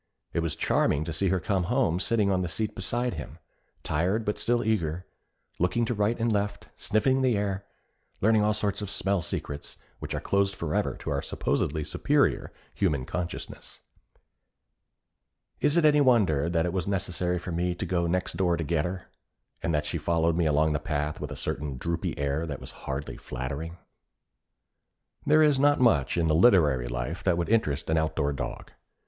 It was charming to see her come home sitting on the seat beside him, tired but still eager, looking to right and left, sniffing the air, learning all sorts of smell secrets which are closed forever to our supposedly superior human consciousness. Is it any wonder that it was necessary for me to go next door to get her, and that she followed me along the path with a certain droopy air that was hardly flattering? There is not much in the literary life that would interest an outdoor dog.